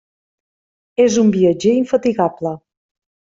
És un viatger infatigable.